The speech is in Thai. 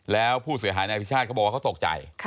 แล้วผู้เสียหายนายอภิชาติเขาบอกว่าเขาตกใจ